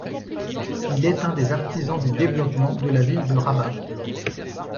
Il est un des artisans du développement de la ville de Rabat.